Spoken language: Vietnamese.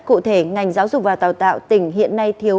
cụ thể ngành giáo dục và đào tạo tỉnh hiện nay thiếu